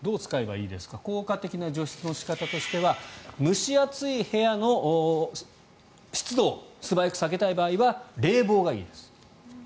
効果的な除湿の仕方としては蒸し暑い部屋の湿度を素早く下げたい場合は冷房がいいです。